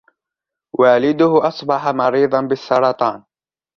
والده أصبح مريضاً بالسرطان.